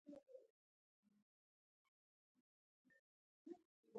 ده وویل بد نه دي.